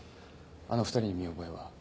あの２人に見覚えは？